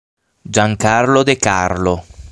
Giancarlo De Carlo.